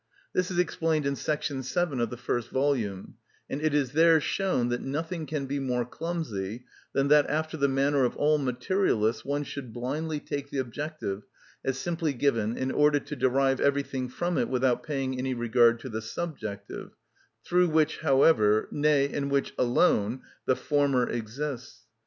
This is explained in § 7 of the first volume, and it is there shown that nothing can be more clumsy than that, after the manner of all materialists, one should blindly take the objective as simply given in order to derive everything from it without paying any regard to the subjective, through which, however, nay, in which alone the former exists.